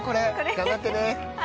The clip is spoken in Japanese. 頑張ってね。